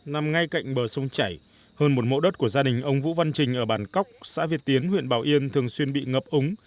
nằm ngay cạnh bờ sông chảy hơn một mẫu đất của gia đình ông vũ văn trình ở bản cóc xã việt tiến huyện bảo yên thường xuyên bị ngập úng